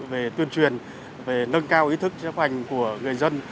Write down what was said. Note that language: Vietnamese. về tuyên truyền về nâng cao ý thức chấp hành của người dân